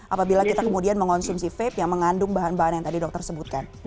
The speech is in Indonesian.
apabila kita kemudian mengonsumsi vape yang mengandung bahan bahan yang tadi dokter sebutkan